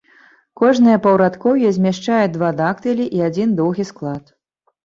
Кожнае паўрадкоўе змяшчае два дактылі і адзін доўгі склад.